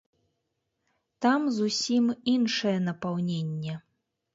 Там зусім іншае напаўненне.